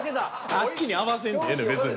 あっちに合わせんでええのよ別に。